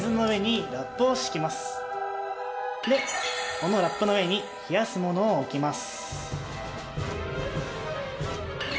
このラップの上に冷やすものを置きます。